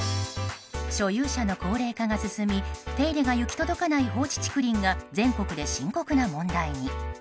所有者の高齢化が進み手入れが行き届かない放置竹林が全国で深刻な問題に。